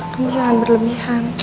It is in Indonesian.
kamu jangan berlebihan